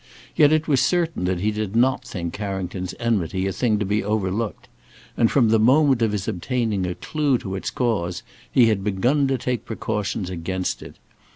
Yet it was certain that he did not think Carrington's enmity a thing to be overlooked, and from the moment of his obtaining a clue to its cause, he had begun to take precautions against it.